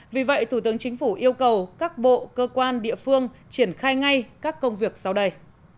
vì vậy thủ tướng chính phủ yêu cầu các bộ cơ quan địa phương triển khai ngay các công việc sau đây